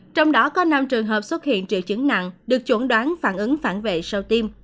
trong đó có năm trường hợp xuất hiện triệu chứng nặng được chuẩn đoán phản ứng phản vệ sau tim